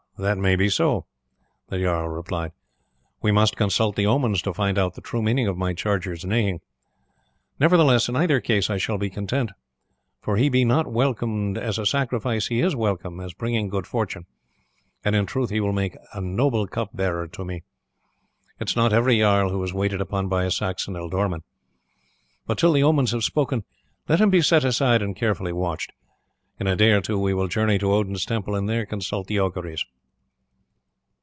that may be so," the jarl replied. "We must consult the omens to find out the true meaning of my charger's neighing. Nevertheless in either case I shall be content, for if he be not welcomed as a sacrifice he is welcome as bringing good fortune; and in truth he will make a noble cup bearer to me. It is not every jarl who is waited upon by a Saxon ealdorman. But till the omens have spoken let him be set aside and carefully watched. In a day or two we will journey to Odin's temple and there consult the auguries."